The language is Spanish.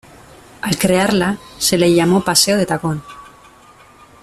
Al crearla se le llamó Paseo de Tacón.